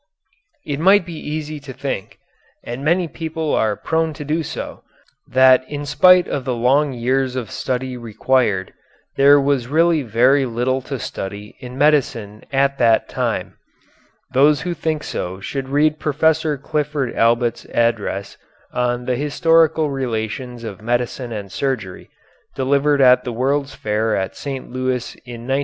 It might be easy to think, and many people are prone to do so, that in spite of the long years of study required there was really very little to study in medicine at that time. Those who think so should read Professor Clifford Allbutt's address on the "Historical Relations of Medicine and Surgery" delivered at the World's Fair at St. Louis in 1904.